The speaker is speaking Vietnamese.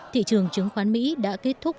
thị trường chứng khoán mỹ đã kết thúc